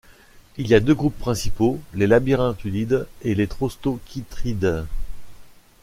Il y a deux groupes principaux, les labyrinthulides et les thraustochytrides.